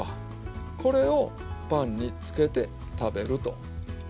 これをパンにつけて食べると。